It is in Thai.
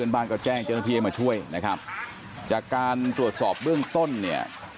บ้านก็แจ้งเจ้าหน้าที่ให้มาช่วยนะครับจากการตรวจสอบเบื้องต้นเนี่ย